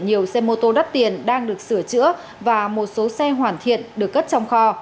nhiều xe mô tô đắt tiền đang được sửa chữa và một số xe hoàn thiện được cất trong kho